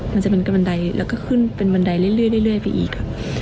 มันก็ขึ้นเป็นบนไดเรื่อยไปอีก